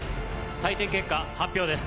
採点結果発表です。